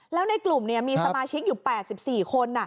แล้วในกลุ่มมีสมาชิกอยู่๘๔คน